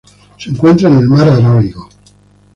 Se encuentra en el Mar Arábigo.